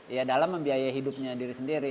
ya dalam membiayai hidupnya diri sendiri